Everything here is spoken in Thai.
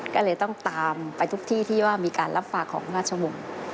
ก็เลยต้องตามไปทุกที่ที่ว่ามีการรับฝากของราชวงศ์